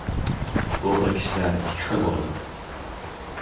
بۇ خىل كىشىلەر ئىككى خىل بولىدۇ.